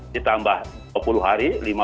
ditambah dua puluh hari